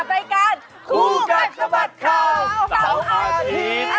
กับรายการครูกัดสะบัดข่าว๙อาทิตย์